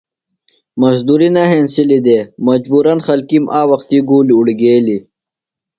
مزدُریۡ نہ ہنسلیۡ دےۡ۔ مجبورًا خلکِیم آ وختی گُولیۡ اُڑگیلیۡ۔